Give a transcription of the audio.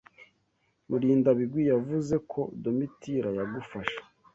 Murindabigwi yavuze ko Domitira yagufashe.